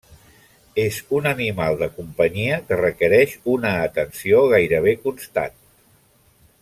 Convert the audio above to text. És un animal de companyia que requereix una atenció gairebé constant.